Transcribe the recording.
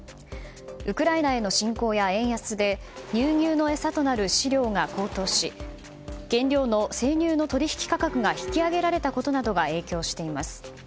ウクライナへの侵攻や円安で乳牛の餌となる飼料が高騰し原料の生乳の取引価格が引き上げられたことなどが影響しています。